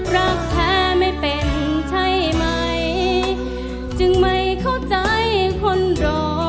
รักแท้ไม่เป็นใช่ไหมจึงไม่เข้าใจคนรอ